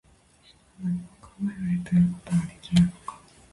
人は、何も考えないということはできるのか